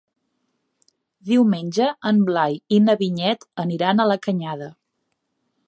Diumenge en Blai i na Vinyet aniran a la Canyada.